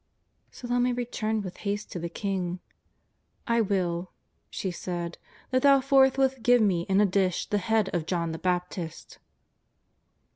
Salome returned with haste to the king: " I will," she said, " that thou forthwith give me in a dish the head of John the Baptist."